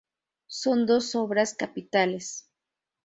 Son dos obras capitales.